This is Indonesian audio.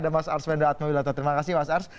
mas bambang terima kasih mas ars